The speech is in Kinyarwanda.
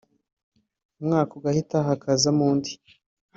umwaka ugahita hakazaho undi